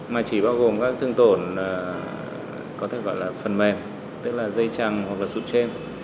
mà chỉ bao gồm các thương tổn có thể gọi là phần mềm tức là dây trăng hoặc là sụn trêm